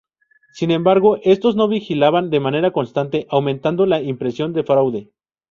Sin embargo, estos no vigilaban de manera constante, aumentando la impresión de fraude.